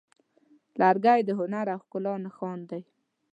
لرګی د هنر او ښکلا نښان دی.